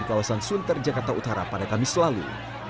kawasan sunter jakarta utara pada kamis lalu